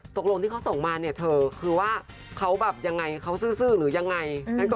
ตกลงที่เขาส่งมาเนี่ยเธอคือว่าเขาแบบยังไงเขาซื่อหรือยังไง